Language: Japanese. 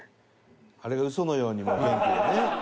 あれがウソのようにもう元気でね。